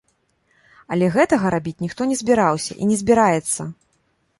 Але гэтага рабіць ніхто не збіраўся і не збіраецца.